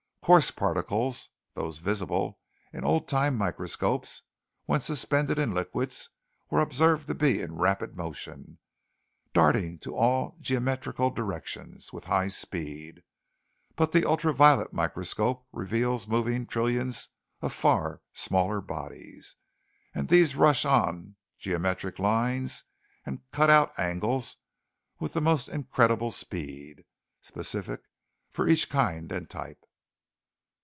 Coarse particles, those visible in old time microscopes, when suspended in liquids, were observed to be in rapid motion, darting to all geometrical directions with high speed. But the ultra violet microscope reveals moving trillions of far smaller bodies, and these rush on geometric lines and cutout angles with the most incredible speed, specific for each kind and type."